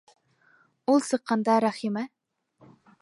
Ул сыҡҡанда Рәхимә: